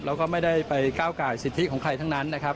แล้วก็ไม่ได้ไปก้าวไก่สิทธิของใครทั้งนั้นนะครับ